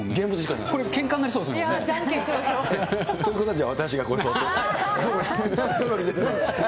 これけんかになりそうですね。ということで、私がこれを。